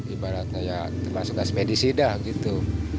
ibaratnya ya termasuk gas medisida gitu